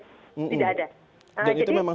tidak ada dan itu memang